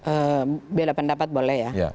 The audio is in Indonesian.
eee biar ada pendapat boleh ya